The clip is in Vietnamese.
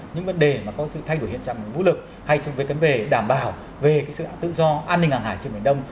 những vấn đề mà có sự thay đổi hiện trạng vũ lực hay chung với cn về đảm bảo về sự tự do an ninh hàng hải trên biển đông